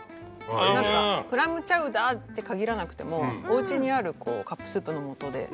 何かクラムチャウダーって限らなくてもおうちにあるカップスープの素で。